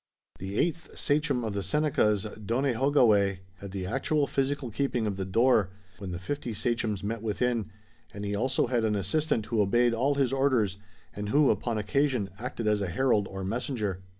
The eighth sachem of the Senecas, Donehogaweh, had the actual physical keeping of the door, when the fifty sachems met within, and he also had an assistant who obeyed all his orders, and who, upon occasion, acted as a herald or messenger.